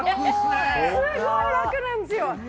すごい楽なんですよ。